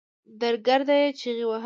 درګرده يې چيغې وهلې.